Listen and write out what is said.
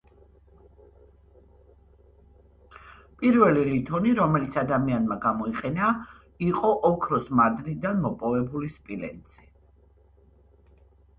პირველი ლითონი, რომელიც ადამიანმა გამოიყენა, იყო ოქროს მადნიდან მოპოვებული სპილენძი